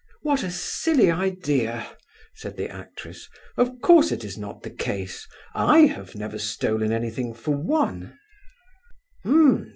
"What a silly idea," said the actress. "Of course it is not the case. I have never stolen anything, for one."